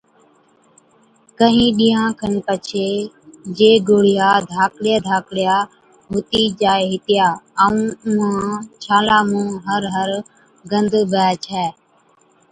ڪهِين ڏِينهان کن پڇي جي گوڙهِيا ڌاڪڙِيا ڌاڪڙِيا هُتِي جائي هِتِيا ائُون اُونهان ڇالان مُون هر هر گند بيهَي ڇَي۔